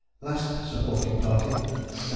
Last Supporting Party (Lieut.